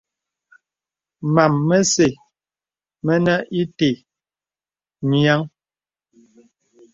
Mam məsə̀ mənə ìtə nyìəŋ.